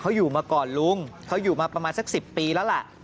เขาอยู่มาก่อนลุงเขาอยู่มาประมาณสัก๑๐ปีแล้วล่ะ